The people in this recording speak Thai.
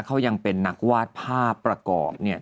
เขายังเป็นนักวาดภาพประกอบเนี่ย